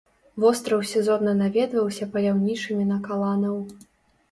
Востраў сезонна наведваўся паляўнічымі на каланаў.